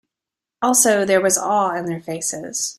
Also, there was awe in their faces.